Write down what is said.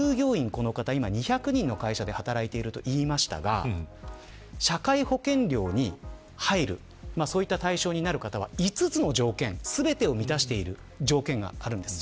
この人、２００人の会社で働いていると言いましたが社会保険料に入るそういった対象になる方は５つの条件、全てを満たしている条件があるんです。